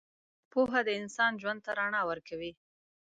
پوهه د انسان ژوند ته رڼا ورکوي.